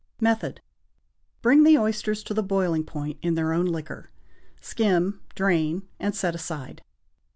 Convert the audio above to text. Method. Bring the oysters to the boiling point in their own liquor, skim, drain, and set aside.